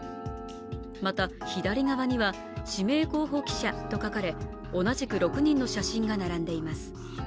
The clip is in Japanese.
また左側には指名候補記者と書かれ同じく６人の写真が並んでいます。